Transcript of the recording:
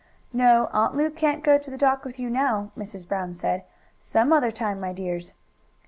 "No, Aunt Lu can't go to the dock with you now," Mrs. Brown said. "Some other time, my dears."